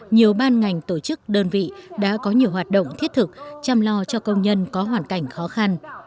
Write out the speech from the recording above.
nhiều ban ngành tổ chức đơn vị đã có nhiều hoạt động thiết thực chăm lo cho công nhân có hoàn cảnh khó khăn